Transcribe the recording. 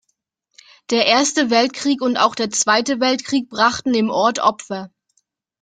Der Erste Weltkrieg und auch der Zweite Weltkrieg brachten dem Ort Opfer.